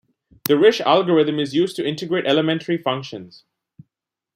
The Risch algorithm is used to integrate elementary functions.